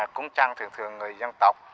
cúng trăng thường thường người dân tộc